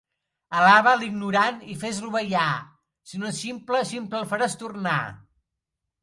Alaba l'ignorant i fes-lo ballar; si no és ximple, ximple el faràs tornar.